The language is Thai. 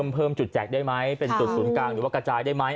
เพิ่มจุดแจกได้ไหมเป็นจุดศูนย์กลางหรือว่ากระจายได้ไหม